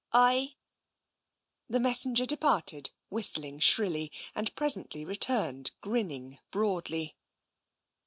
" Ay." The messenger departed, whistling shrilly, and pres ently returned grinning broadly.